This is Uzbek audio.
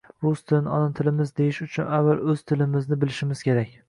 Rus tilini ona tilimiz deyish uchun avval o‘z tilimizni bilishimiz kerak!